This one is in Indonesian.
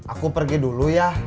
aku pergi dulu ya